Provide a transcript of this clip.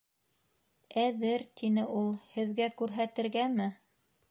- Әҙер, - тине ул, - һеҙгә күрһәтергәме?